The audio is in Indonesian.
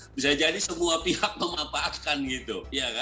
bisa jadi semua pihak memanfaatkan gitu